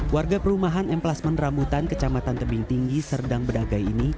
warga perumahan emplasmen rambutan kecamatan tebing tinggi serdang bedagai ini